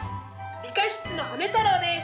理科室のホネ太郎です。